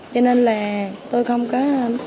cho nên là tôi không có